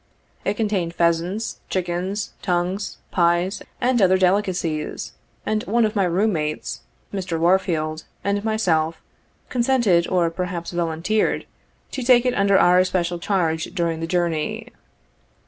It contained pheasants, chickens, tongues, pies and other delicacies, and one of my room mates, Mr. Warfield, and myself, consented, or perhaps volunteered, to take it under our especial charge during the journey.